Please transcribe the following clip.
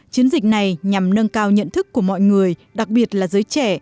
chiến dịch này nhằm nâng cao nhận thức của mọi người đặc biệt là giới trẻ